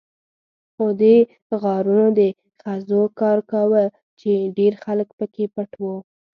خو دې غارونو د خزو کار کاوه، چې ډېر خلک پکې پټ وو.